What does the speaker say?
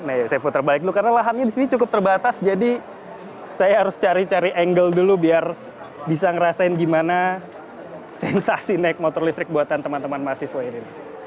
nah saya putar balik dulu karena lahannya di sini cukup terbatas jadi saya harus cari cari angle dulu biar bisa ngerasain gimana sensasi naik motor listrik buatan teman teman mahasiswa ini